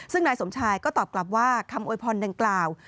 ซึ่งนายสมชายก็ตอบกลับว่าคำโวยพรดังกล่าว